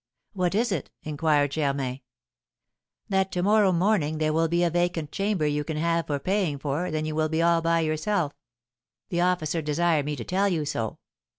'" "What is it?" inquired Germain. "That to morrow morning there will be a vacant chamber you can have for paying for, then you will be all to yourself. The officer desired me to tell you so."